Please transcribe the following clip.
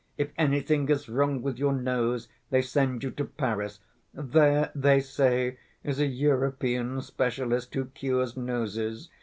If anything is wrong with your nose, they send you to Paris: there, they say, is a European specialist who cures noses.